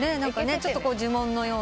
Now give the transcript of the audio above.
ちょっと呪文のような。